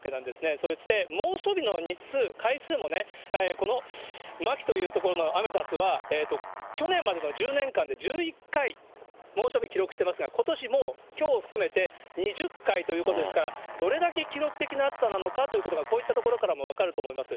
そして猛暑日の日数、回数もね、この巻という所のアメダスは、去年までの１０年間で１１回、猛暑日記録してますが、ことしもう、きょうを含めて２０回ということですから、どれだけ記録的な暑さなのかという所が、こういった所からも分かると思います。